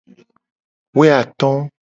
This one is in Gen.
Woato.